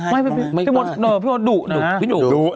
ไม่ไปไม่บุ่ง